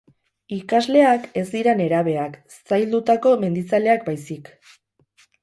Ikasleak ez dira nerabeak, zaildutako mendizaleak baizik.